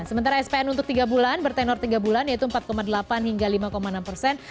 sementara spn untuk tiga bulan bertenor tiga bulan yaitu empat delapan hingga lima enam persen